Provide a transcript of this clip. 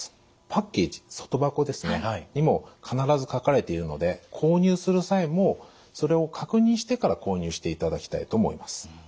パッケージ外箱にも必ず書かれているので購入する際もそれを確認してから購入していただきたいと思います。